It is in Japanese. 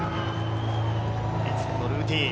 いつものルーティン。